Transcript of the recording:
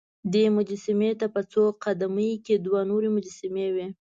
دې مجسمې ته په څو قد مې کې دوه نورې مجسمې وې.